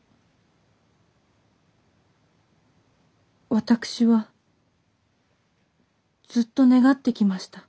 私はずっと願ってきました。